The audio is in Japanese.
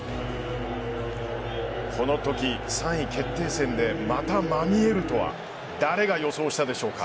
その時、３位決定戦でまたまみえるとは誰が予想したでしょうか。